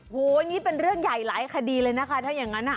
โอ้โหนี่เป็นเรื่องใหญ่หลายคดีเลยนะคะถ้าอย่างนั้นอ่ะ